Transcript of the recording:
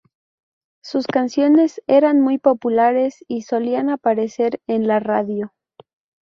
Sus canciones eran muy populares y solían aparecer en la radio.